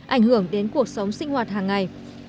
ảnh hưởng đến cuộc sống sinh hoạt hàng ngày